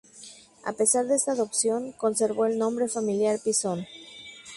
A pesar de esta adopción, conservó el nombre familiar "Pisón".